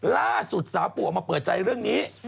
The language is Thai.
ล่าสุดสาวปู่ออกมาเปิดใจเรื่องนี้